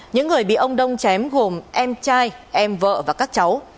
những người bị ông đông chém gồm em trai em vợ và các cháu